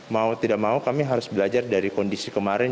mau tidak mau kami harus belajar dari kondisi kemarin